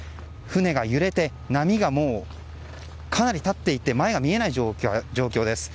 船が揺れて波がかなり立っていて前が見えない状況です。